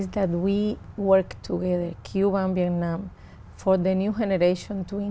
được phát triển bởi hai chủ đề của chúng tôi